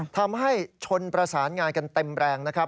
ทำให้ชนประสานงานกันเต็มแรงนะครับ